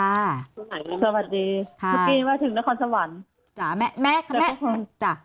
สวัสดีสุขีว่าถึงนครสวรรค์